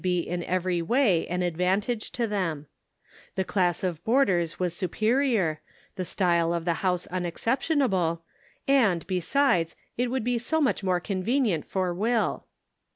437 be in every way an advantage to them ; the class of boarders was superior, the style of tho house unexceptionable, and, besides, it would be so much more convenient for Will."